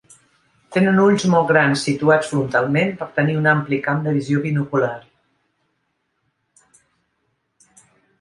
Tenen ulls molt grans situats frontalment, per tenir un ampli camp de visió binocular.